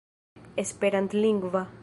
esperantlingva